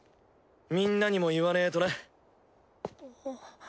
みんなにも言わねえとな。